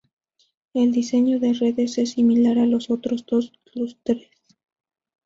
El diseño de redes es similar a los otros dos clústeres.